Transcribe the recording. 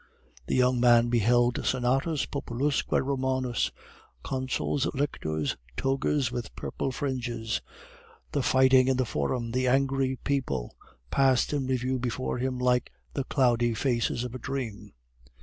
The young man beheld Senatus Populusque Romanus; consuls, lictors, togas with purple fringes; the fighting in the Forum, the angry people, passed in review before him like the cloudy faces of a dream.